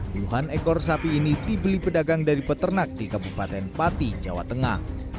puluhan ekor sapi ini dibeli pedagang dari peternak di kabupaten pati jawa tengah